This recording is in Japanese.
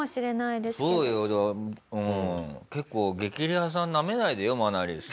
結構『激レアさん』なめないでよマナリス。